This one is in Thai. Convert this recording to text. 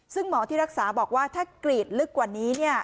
ซึ่งหมอที่รักษาบอกว่าถ้ากรีดลึกกว่านี้